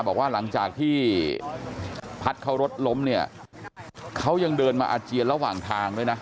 บอกว่าหลังจากที่พัดเขารถล้มเนี่ยเขายังเดินมาอาเจียนระหว่างทางด้วยนะ